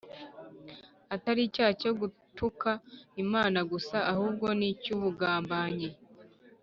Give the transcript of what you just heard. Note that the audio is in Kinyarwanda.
, atari icyaha cyo gutuka Imana gusa, ahubwo n’icy’ubugambanyi